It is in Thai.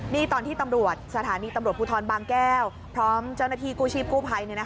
นี่ตอนที่สถานีตำรวจภูทรบางแก้วพร้อมเจ้าหน้าที่กู้ชีฟกู้ไพ่ไน้